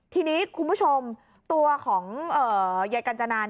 ทีนี้คุณผู้ชมตัวของยายกัญจนา